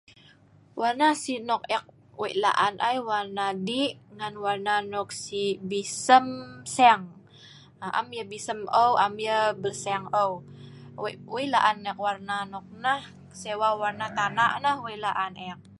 warna sik nok ek weik la'an ai warna dik ngan warna nok sik belsem seng aa am yeh belsem eu am yeh belseng eu wei weik la'an ek warna nok nah sewa warna tana' nah weik la'an ek